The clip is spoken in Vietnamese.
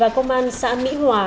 và công an xã mỹ hòa